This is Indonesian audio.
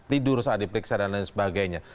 tidur saat diperiksa dan lain sebagainya